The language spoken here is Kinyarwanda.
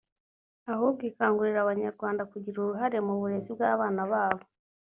ahubwo ikangurira Abanyarwanda kugira uruhare mu burezi bw’abana babo